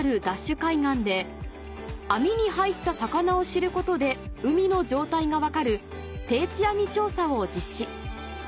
海岸で網に入った魚を知ることで海の状態が分かる定置網調査を実施